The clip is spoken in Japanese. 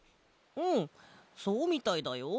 うんそうみたいだよ。